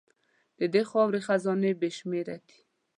د دې خاورې خزانې بې شمېره دي.